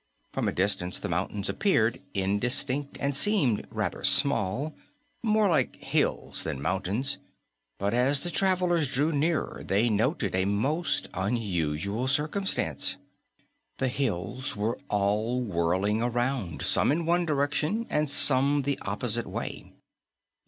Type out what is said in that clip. From a distance the mountains appeared indistinct and seemed rather small more like hills than mountains but as the travelers drew nearer, they noted a most unusual circumstance: the hills were all whirling around, some in one direction and some the opposite way.